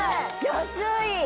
安い！